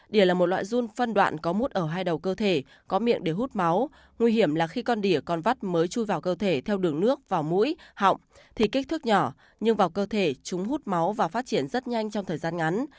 đỉa là một loại run phân đoạn có mút ở hai đầu cơ thể có miệng để hút máu nguy hiểm là khi con đỉa con vắt mới chui vào cơ thể theo đường nước vào mũi họng thì kích thước nhỏ nhưng vào cơ thể chúng hút máu và phát triển rất nhanh trong thời gian ngắn